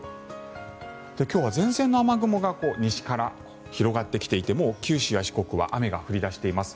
今日は前線の雨雲が西から広がってきていてもう九州や四国は雨が降り出しています。